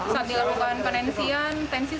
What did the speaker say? saat dilakukan penensian tensi satu ratus delapan puluh